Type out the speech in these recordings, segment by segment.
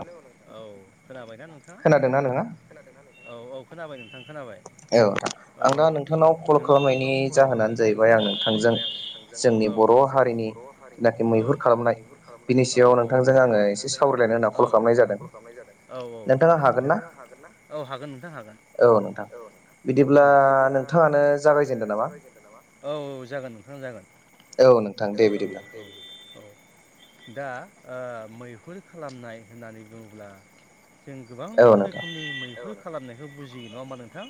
Hello नोंथां औ खोनाबायना नोंथाङा? खोनादोंना औ औ खोनाबाय नोंथां। खोनाबाय। आं दा नोंथांनाव कल खालामनायनि जाहोनानो जाहैबाय आं नोंथांजों जोंनि बर' हारिनि औ औ औ औ औ औ नोंथां औ हागोन नोंथां हागोन। औ औ जागोन नोंथाां जागोन। औ नोंथां दे बिदिब्ला दा ओ मैहुर खालामनाय होननानै बुङोब्ला जों गोबां रोखोमनि मैहुर खालामनायखौ बुजियो नङा होमबा नोंथां?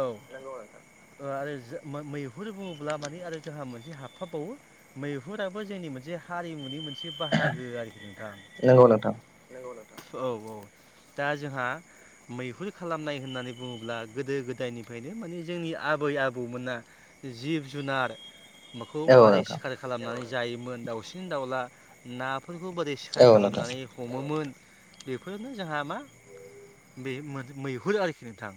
औ आरो मैहुर बुङोब्ला माने आरो जोंहा मोनसे हाबफाबावो मैहुराबो जोंनि नि मोनसे हारिमुनि मोनसे बाहागो आरोखि नोंथां। नोंगौ नोंथां औ औ दा जोंहा मैहुर खालामनाय होननानै बुङोब्ला गोदो गोदायनि फायनो माने जोंनि आबै आबौमोना जिब जुनार मोखौ माबारै सिखार खालामनानै जायोमोन दाउसिननि दाउला नाफोरखौ बोरै सिखार खालामनानै हमोमोन बेफोरनो जोंहा मा बे मै-मैहुर आरोखि नोंथां।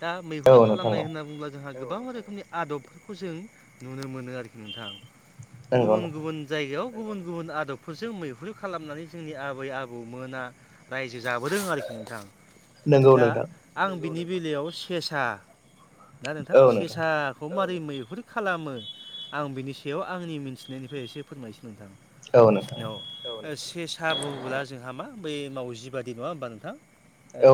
दा मैहुर खालामनाय होनना बुङोब्ला जोंहा गोबां रोखोमनि आदबफोरखौ जों नुनो मोनो आरोखि नोंथां। गुबुन गुबुन जायगायाव गुबुन गुबुन आदबफोरजों मैहुर खालामनानै जोंनि आबै आबौ मोना राय जो जाबोदों आरोखि नोंथां दा आं बिनि बेलायाव सेसा दा नोंथां सेसाखौ मा बोरै मैहुर खालामो आं बिनि सायाव आंनि मिन्थिनायनिफ्राय एसे फोरमायसै नोंथां। औ सेसा बुला जोंहा मा बै मावजि बादि नङा होमबा नोंथां?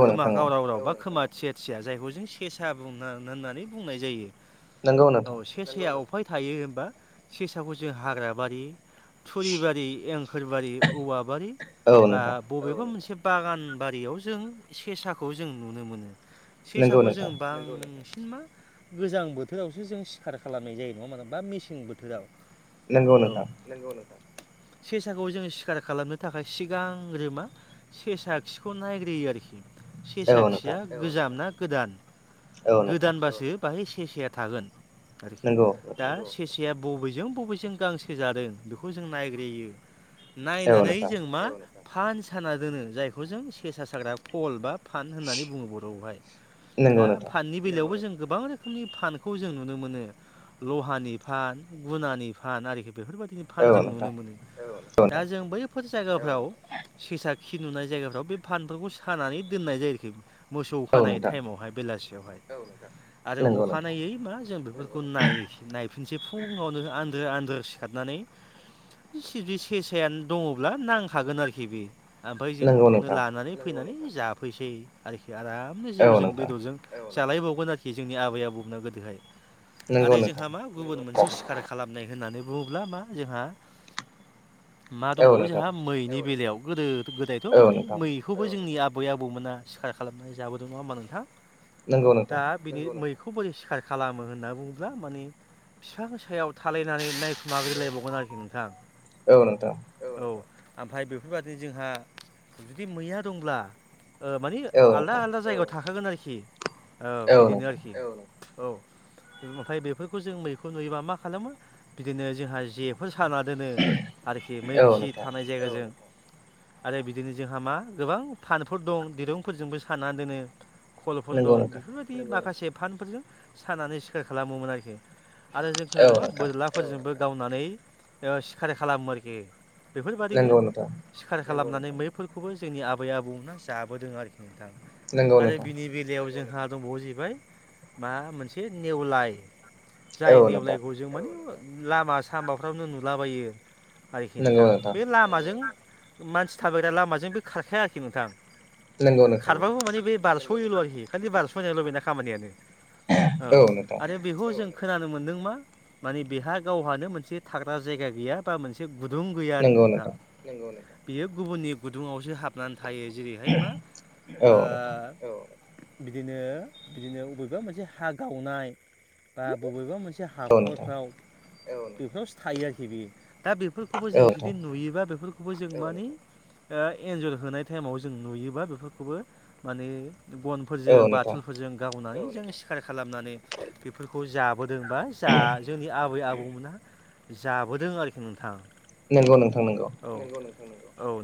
खोमा गावराव राव बा खोमा थिया थिया जायखौ जों सेसा बुंङो। होननानै बुंनाय जायो औ सेसा अबाखाय थायो होनबा सेसाखौ जों हाग्रा बारि थुरिबारि एंखोरबारि औवा बारि बा बबेबा मोनसे बागान बारियाव जों सेसाखौ जों नुनो मोनो सेसाखौ जों बां सिन मा गोजां बोथोरावसो जों सिखार खालामनाय जायो नङा मा बा मेसें बोथोराव। औ नोंगौ नोंथा [inaudible] सेसाखौ जोङो सिखार खालामनो थाखाय सिगांग्रो मा सेसा खिखौ नायग्रोयो आरोखि सेसा खिया गोजाम ना गोदान गोदानबासो बाहाय सेसेया थागोन आरोखि दा सेसेया बबेजों बबेजों गांसो जादों बेखौ जों नायग्रोयो नायनानै जों मा फान साना दोनो जायखौ जों सेसा साग्रा फल बा फान होननानै बुङो बरआवहाय दा बेलायावबो जों गोबां रोखोमनि फानखौ जों नुनो मोनो लहानि फान गुनानि फान आरोखि बेफोरबायदिनि फान जों नुनो मोनो दा जों बैफोर जायगाफ्राव सेसा खि नुनाय जायगाफ्राव बे फानफोरखौ सानानै दोननाय जायो आरोखि मोसौ खानाय टाइमावहाय बेलासि आरो अखानायै मा जों बेफोरखौ नाय नायफिनसै। फुंङावनो आन्दो आन्दो सिखारनानै [unintelligible] सेसाया दङब्ला नांखागोन आरोखि बे ओमफाय जों बेखौनो लानानै फैनानै जाफैसै आरोखि आराम जौजों बेदरजों जालायबावगोन आरोखि जोंनि आबै आबौमोना गोदोहाय आरो जोंहा मा गुबुन मोनसे खार खालामनाय होननानै बुङोब्ला मा जोंहा मा दंबावो जोंहा मैनि बेलायाव गोदो गोदायथ माने मैखौबो जोंनि आ बै आबौमोना सिखार खालामनानै जाबोदों नङा होमबा नोंथां दा बिनि मै खौ बोरै सिखार खालामो होनना बुङोब्ला माने फिफां सायाव थालायनानै नायखुमाग्रोलायबावगोन आरोखि नोंथां। औ नोंथां ओमफाय बेफोरबादिनो जोंहा जुदि मैया दंब्ला ओ माने आलदा आलदा जायगायाव थाखागोन आरोखि औ बिदिनो आरोखि औ ओमफाय बेफोरखौ जों मैखौ नुयोबा मा खालामो बिदिनो जोंहा जेफोर साना दोनो आरोखि मै खि थानाय जायगा जायगा आरो बिदिनो जोंहा मा गोबां फानफोर दं दिरुंफोरजोंबो सानानानै दोनो फुल दं बेफोरबायदि माखासे फानफोरजों सानानै सिखार खालामोमोन आरोखि। आरो जों खोनादों मा बोरलाफोरजोंबो गावनानै जोङो सिखार खालामोन आरोखि बेफोरबायदिनो सिखार खालामनानै मैफोरखौबो जोंनि आबै आबौमोना जाबोदों आरोखि नोंथां। नोंगौ नोंथां [unintelligible] जोंहा दंबावो जाहैबाय मा मोनसे नेवलाय जाय नेवलायखौ जों माने लामा सामाफ्रावनो नुलाबायो। आरोखि नोंथां बे लामाजों मानसि थाबायग्रा लामाजों बे खारखाया आरोखि नोंथां। खारबाबो माने बे बारसयोल आरोखि खालि बारसनाल बेना खामानियानो औ आरो बेखौ जों खोनानो मोन्दों मा माने बेहा गावहानो मोनसे थाग्रा जायगा गैया बा मोनसे गुदुं गैया आरोखि नोंथां बियो गुबुननि गुदुङावसो हाबनानै थायो जेरैहाय मा ओ बिदिनो बिदिनो बबेबा मोनसे हा गावनाय बा बबेबा मोनसे से हाखरफ्राव बेफोरावसो थायो आरोखि बेयो दा बेफोरखौबो जों जुदि नुयोबा बेफोर खौबो जों माने ओ एन्जर होनाय टाइमाव जों नुयोबा बेफोरखौबो माने गनफोरजों बाथुलफोरजों गावनानै जों सिखार खालामनानै बेफोरखौ जाब बोदों बा जा जोंनि आबै आबौमोनहा जाबोदों आरोखि नोंथां। नंगौ नोंथां नंगौ औ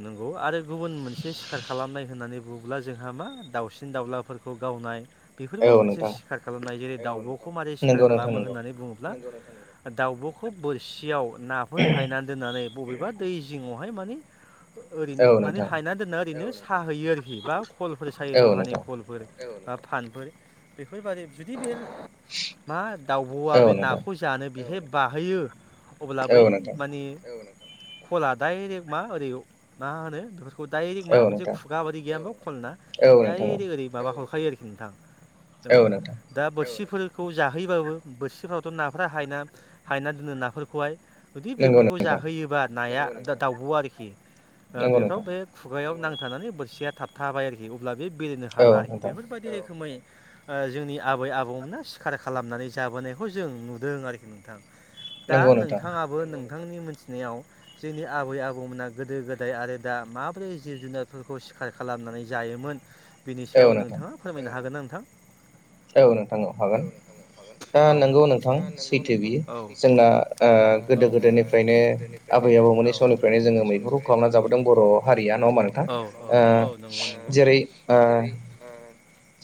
नंगौ आरो गुबुन मोनसे सिखार खालामनाय होननानै बुब्ला जोंहा मा दाउसि सिन दाउलाफोरखौ गावनाय बेफोरबो मोनसे सिखार खालामनाय जेरै दावब खौ मारै सिखार खालामो होननानै बुङोब्ला दाउबखौ बोरसियाव नाफोर हायनानै दोननानै बबेबा दै जिङावहाय माने ओरैनो माने हायना दोनना ओरैनो साहैयो आरोखि बा खलफोर सायो लहानि फोर बा फानफोर बेफोरबादि जुदि बे मा दाउब'आ बे नाखौ जानो बेहाय बाहोयो। अब्ला बै माने कला दडाइरेक्ट मा ओरै मा होनो बे डायरेक मा मोनसे खुगा बायदि गैया मा खलना डाइरेक्ट ओरै माबा हरखायो आरोखि नोंथां। औ दा बोरसिफोर खौ जाहोयोबाबो बोरसिफ्रावथ' नाफोरा हायना हायना दोनो नाफोरखौहाय जुदि बेफोरखौ जाहोयोबा नाया दावब'आ आरोखि ओ बेफोराव बे खुगायाव नांथानानै बोरसिया थाबथाबाय आरोखि अब्ला बे बि हाला आरोखि बेफोरबायदि रोखोमै जोंनि आबै आबौमोना सिखार खालामनानै जाबोनायखौ जों नुदों आरोखि नोंथां दा नोंथाङाबो नों नोंथांनि मिथिनायाव जोंनि आबै आबौमोना गोदो गोदाय आरो दा माबोरै जिब जुनारफोरखौ सिकार सिकार खालामनानै जायोमोन बिनि सायाव नोंथाङा फोरमायनो हागोन ना नोंथां। औ नोंथां हागोन दा नंगौ नोंथां सैथो बियो जोंना ओ गोदो गोदोनिफ्रायनो आबै आबौमोननि समनिफ्रायनो जोङो मैहुरखौ खालामना जाबोदों बर' हारिया नङा होनबा नोंथां नोंथां ओ जेरै जेरै ओ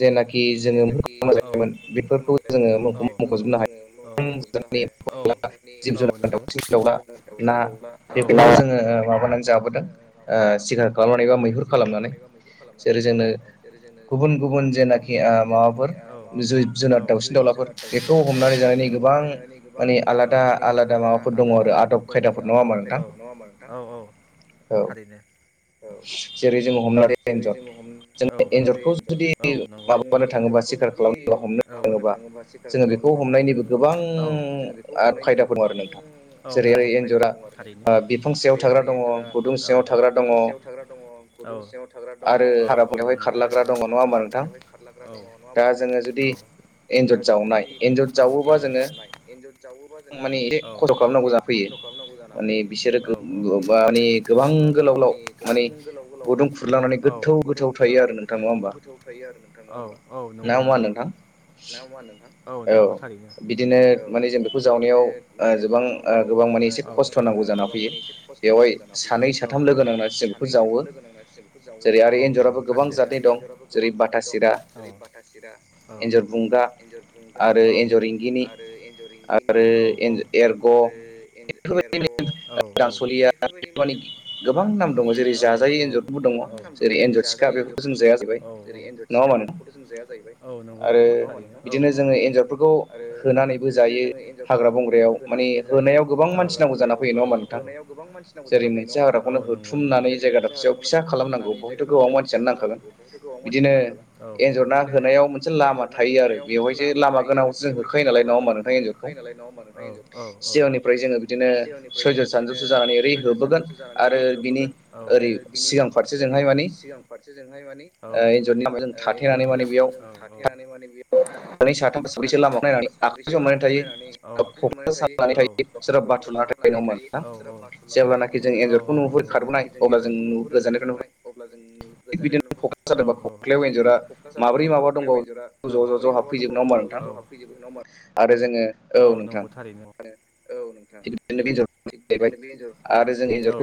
जेनाखि जोङो मैहुर खालामना जायोमोन बेफोरखौ जोङो मुंखौ मख'जोबनो हाया। जिब जुनार दाउसिन दाउला ना बेफोरखौ जोङो माबानानै जाबाय जोङो माबाना जाबोदों सिगार खालामनानै बा मैहुर खालामनानै औ जेरै जोंनो जेनाखि माबाफोर जिब जुनार दाउसिन दाउलाफोर बेखौ हमनानै जानायनि गोबां गोबां माने आलादा आलादा माबाफोर दङ आरो आदब खायदाफोर नङा होनबा नोंथां। थारैनो। जेरै जोङो हमनानै एन्जर जों हमनानै लादो एन्जर औ नंगौ जों एन्जरखौ जुदि माबानो थाङोबा सिखार खालामनोबा हमनो थाङोबा औ जोङो बेखौ हमनायनिबो गोबां आदब खायदाफोर दं आरो थारैनो सायाव थाग्रा दङ गुदुं सिङाव थाग्रा दङ। थाग्रा दङ गुदुं सिङाव थाग्रा दङ। आरो हाग्रा बंग्रायावहाय खारलाग्रा दङ नङा होमबा नोंथां औ। दा जोङो जुदि एन्जर जावनाय औ माने एसे खस्थ' खालामनांगौ जाना फैयो औ औे बिसोरो औ माने गोबां गोलाव गोलाव माने गुदुं लानानै गोथौ गोथौ थायो आरो नोंथाङा औ औ नंगौ नंगौ। नोगौ नामा नोंथां औ नंगौ थारैनो औ। गुदुं जावनायाव गोबां गोबां माने एसे खस्थ' नांगौ जाना फैयो बेवहाय सानै साथाम बेवहाय सानै साथाम लोगो नांनासि बेखौ जावो औ आरो एन्जराबो गोबां जतनि दं जेरै बाथा सिरा एन्जर गुंगा एन्जर इंगिनि आरो औ औ आरो एरग' औ औ बेफोरबायदि माने गोबां नाम दङ जेरै जाजायो एन्जरबो दङ जेरै एन्जर सिखा एन्जरफोरबो दङ औ जेरै एन्जर सिखा बेफोरखौथ' जों जाया जाहैबाय औ नंगौ नंगौ औ बेफोरखौ होनानैबो जायो। हाग्रा बंग्रयाव माने होनायाव गोबां मानसि नांगौ जानानै फैयो नङा होनबा नोंथां जेरै मोनसे हाग्राखौनो थुमनानै जायगा दाबसेयाव फिसा खालामनांगौ बेहायथ' गोबां मानसि फिसा खालामनांगौ बेहायथ' गोबां मानसियानो नांखागोन औ बिदिनो एन्जरना होनायाव मोनसे लामा थायो। गानाव जों होखायोनालाय नङा होमबा नोंथां एन्जरखौ सिगांनिफ्राय जोङो बिदिनो सयजोन साथजोनसो जानानै ओरै होबोगोन आरो होबोगोन आरो बिनि ओरै सिगां फारसे जोंहाय माने एन्जरनि लामायाव जों थाथेनानै माने बेयो [unintelligible] सानै साथाम साब्रसो लामाखौ नायनानै आखाइ जमनानै थायो सोरबा क'का सानाय थायो सोरबा बाथुल लानानै थायो लानानै थायो बाथुल लाना थायो नङा होमबा जेब्लानाखि जों एन्जरखौ नुहुरो खारबोनाय अब्ला जों गोजानाय ननहरो थिग बिदिनो खखा सादों बा खखायाव एन्जरफोरा माब्रै माबा फैजोबो नङा होनबा नोंथां आरो जोङो औ नंगौ थारैनो [inaudible] थिग बिदिनो बे एन्जर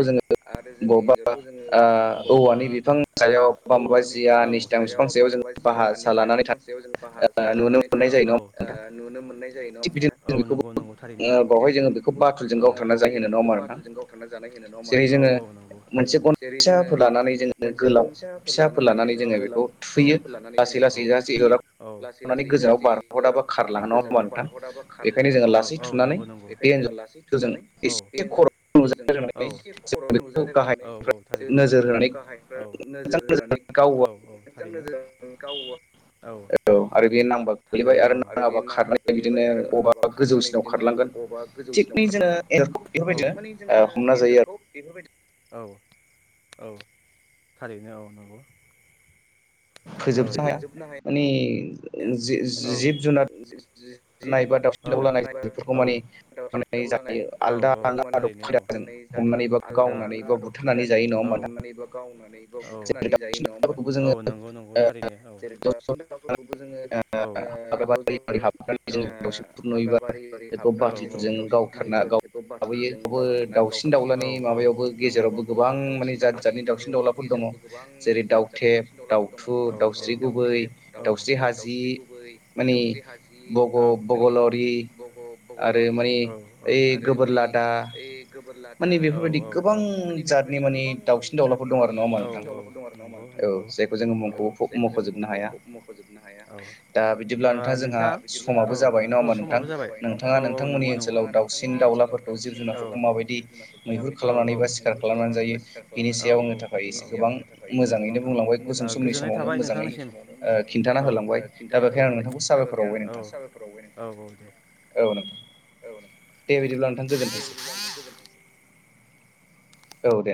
आरो जोङो एन्जरखौ जोङो औवानि बिफां सायाव बबा माबा जिया निस्थां बिफां सायाव जों बासा लानानै थायो लानानै था ओ नुनो मोननाय जायो नङा औ नंगौ! नंगौ! थारैनो थि बिदिनो जों बेवहाय जोङो बेखौ बाथुलजों गावथारना जानाय होनो नङा आरोना औ औ नंगौ थारैनो जेरै जोङो मोनसे गनसाफोर लानानै जोङो गोलाव फिसाफोर लानानै जोङो बेखौ थुखैयो लासै लासै जरा खुनानै गोजानाव बारहराबा खारला बेखायनो जोङो लासै थुनानै बे एन्जरजों एसे खर'ल' नुजानो होनानै गाहाय नोजोर होनानै औ औ नोजोरजों गावो आरो। औ आरो बे नांबा गोग्लैबाय आरो नाङाबा खारनाय बिदिनो अ खारनानै बिदिनो अबेबा गोजौसिनाव खारलांगोन थ माने जोङो एन्जरखौ फोरबायदि औ औ थारैनो औ नंगौ। फोजोबस' हाया माने जिब जुनार नाय बा दाावसिन दाउला नाय बेफोरखौ माने जायो आलदा आलदा आदब खायदाजों जायो आलदा -आलदा आदब खायदाजों हमनानै बा गावनानै औ होनानै जायो नङा हम्बा? औ नंगौ नंगौ थारैनो औ जेखौ जोङो मालाबा नुयोबोला बेखौ बाथुलफोरजों गावथारना लाबोयो बेबो दाावसिन दाउलानि माबायावबो गेजेरावबो गोबां माने जात जातनि दावउसिन दावलाफोर फोर दङ जेरै -दाउथेब, दाउथु, दाउस्रि गुबै, दाउथु, दाउस्रि गुबै, दाउस्रि हाजि, माने बग'लरिं आरो माने ओय गोबोरलादा औ औ माने बेफोरबायदि गोबां जातनि माने दावसेन दावलाफोर दं आरो ना माने औ जायखौ जोङो मुंखौ मख'जोबनो हाया मख'जोबनो हाया दा बिदिब्ला नोंथां जोंहा समाबो जाबाय नङा होमबा नोंथां। नोंथाङा नोंथांमोननि ओनसोलाव दाउसिन दाउ दावलाफोरखौ जिब जुनारफोरखौ माबायदि जुनारफोरखौ माबायदि मैहुर खालामनानै बा सिखार खालामनानै बेनि सायाव आंनि थाखाय एसे गोबां गोजोननाय थाबाय नोंथांनिसिम मोजाङै खिन्थाना होलांबाय दा बेखायनो आं साबायफोर बावबाय ना औ नोंथां दे बिदिब्ला नोंथां गोजोनथोंसै। औ दे